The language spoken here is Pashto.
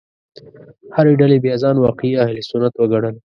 هرې ډلې بیا ځان واقعي اهل سنت وګڼل.